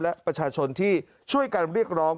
และประชาชนที่ช่วยกันเรียกร้อง